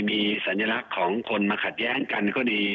มีสัญลักษณ์ของคนมาขัดแย้งกันก็ดี